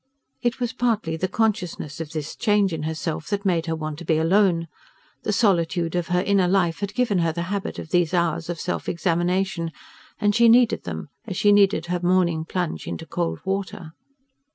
It was partly the consciousness of this change in herself that made her want to be alone. The solitude of her inner life had given her the habit of these hours of self examination, and she needed them as she needed her morning plunge into cold water.